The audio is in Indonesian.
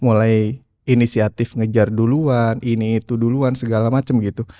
mulai inisiatif ngejar duluan ini itu duluan segala macam gitu